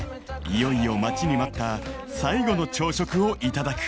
いよいよ待ちに待った最後の朝食をいただく］